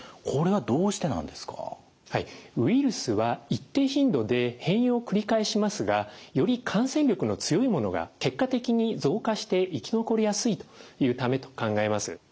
はいウイルスは一定頻度で変異を繰り返しますがより感染力の強いものが結果的に増加して生き残りやすいというためと考えます。